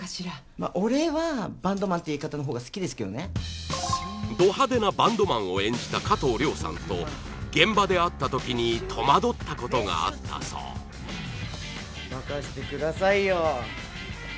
まあ俺はバンドマンって言い方の方が好きですけどねド派手なバンドマンを演じた加藤諒さんと現場で会ったときにとまどったことがあったそう任してくださいよ